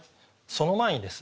その前にですね